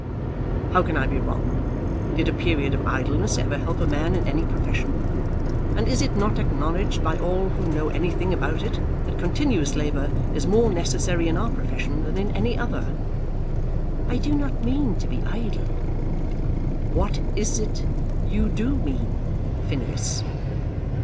"How can I be wrong? Did a period of idleness ever help a man in any profession? And is it not acknowledged by all who know anything about it, that continuous labour is more necessary in our profession than in any other?" "I do not mean to be idle." "What is it you do mean, Phineas?"